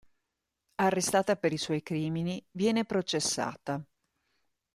Arrestata per i suoi crimini, viene processata.